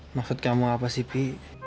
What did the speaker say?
maksud kamu apa sih